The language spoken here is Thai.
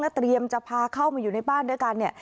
เตรียมจะพาเข้ามาอยู่ในบ้านด้วยกันเนี่ย